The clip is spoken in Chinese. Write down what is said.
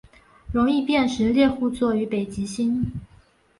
容易辨识猎户座与北极星